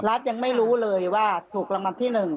รัฐยังไม่รู้เลยว่าถูกรางวัลที่๑